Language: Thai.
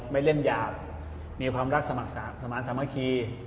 ไม่เล่นหยาบมีความรักสมัครสหรับสหมาลสมาโข